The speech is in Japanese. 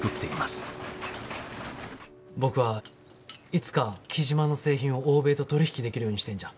僕はいつか雉真の製品を欧米と取り引きできるようにしたいんじゃ。